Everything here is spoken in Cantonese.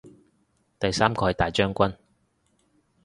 第三個係大將軍